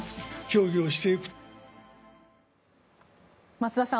増田さん